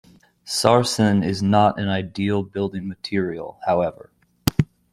Sarsen is not an ideal building material, however.